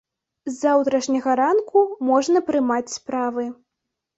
З заўтрашняга ранку можна прымаць справы.